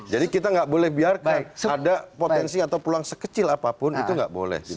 jadi kita nggak boleh biarkan ada potensi atau peluang sekecil apapun itu nggak boleh dibenarkan